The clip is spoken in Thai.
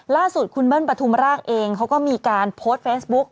ล่าสุดคุณเบิ้ลปฐุมราชเองเขาก็มีการโพสต์เฟซบุ๊ก